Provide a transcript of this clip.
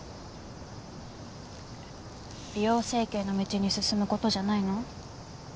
美容整形の道に進む事じゃないの？